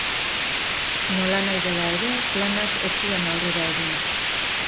Nolanahi dela ere, planak ez zuen aurrera egin.